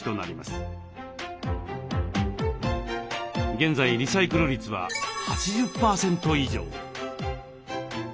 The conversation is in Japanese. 現在リサイクル率は８０％以上。